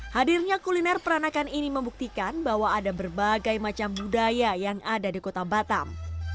hadirnya kuliner peranakan ini membuktikan bahwa ada berbagai macam budaya yang ada di kota batam